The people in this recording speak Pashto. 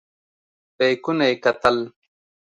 بیکونه یې کتل.